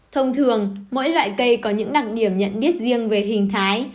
thông thường mỗi loại cây có những đặc điểm nhận biết riêng về hình thái